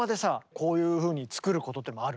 こういうふうに作ることもある？